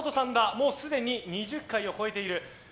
もうすでに２０回を超えている。